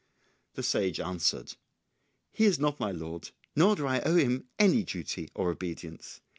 The sage answered, "He is not my lord, nor do I owe him any duty or obedience.